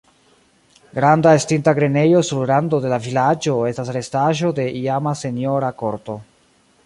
Granda estinta grenejo sur rando de la vilaĝo estas restaĵo de iama senjora korto.